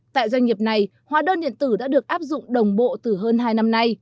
tại doanh nghiệp này hóa đơn điện tử đã được áp dụng đồng bộ từ hơn hai năm nay